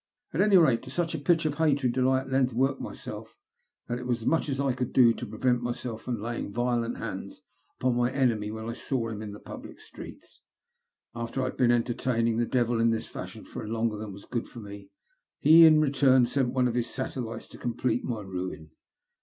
At any rate, to such a pitch of hatred did I at length work myself that it was as much as I could do to prevent myself from laying violent hands upon my enemy when I saw him in tbe public streets. After I had been entertaining tbe (lovil in this fashion for longer than was good for me, lie in return sent one of his satellites to complete my ruin.